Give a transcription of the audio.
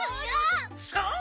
そう！